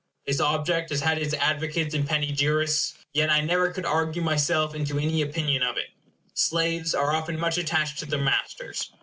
This object has had its advocates and panegyrists; yet I never could argue myself into any opinion of it. Slaves are often much attached to their masters.